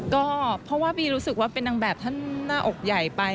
ก็เพราะว่าบีรู้สึกว่าเป็นนางแบบท่านหน้าอกใหญ่ไป